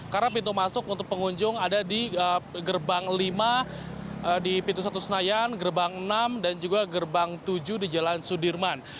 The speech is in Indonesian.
karena pintu masuk untuk pengunjung ada di gerbang lima di pintu satu senayan gerbang enam dan juga gerbang tujuh di jalan sudirman